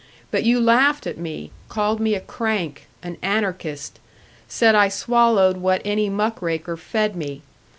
But you laughed at me, called me a crank, an anarchist, said I swallowed what any muck raker fed me.